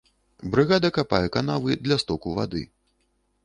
Брыгада капае канавы для стоку вады.